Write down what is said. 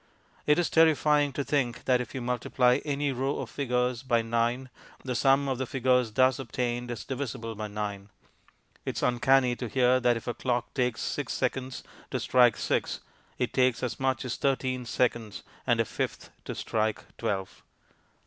It is terrifying to think that if you multiply any row of figures by 9 the sum of the figures thus obtained is divisible by 9. It is uncanny to hear that if a clock takes six seconds to strike six it takes as much as thirteen seconds and a fifth to strike twelve.